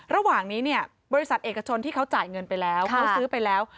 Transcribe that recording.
ระหว่างนี้เนี่ยบริษัทเอกชนที่เขาจ่ายเงินไปแล้วเขาซื้อไปแล้ว